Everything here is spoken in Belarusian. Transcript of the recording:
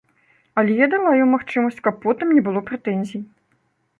Але я дала ёй магчымасць, каб потым не было прэтэнзій.